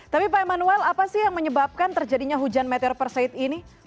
tapi pak emanuel apa sih yang menyebabkan terjadinya hujan meteor per seit ini